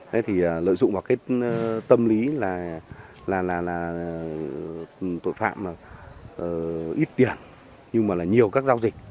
thế thì lợi dụng vào cái tâm lý là tội phạm ít tiền nhưng mà là nhiều các giao dịch